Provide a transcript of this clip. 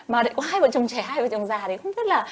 mà có hai vợ chồng trẻ hai vợ chồng già thì cũng rất là